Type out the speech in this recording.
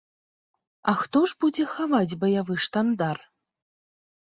А хто ж будзе хаваць баявы штандар?